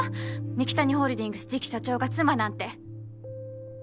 二木谷ホールディングス次期社長が妻なんて。